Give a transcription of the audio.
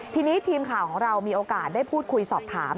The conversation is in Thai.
ทีนี้ทีมข่าวของเรามีโอกาสได้พูดคุยสอบถาม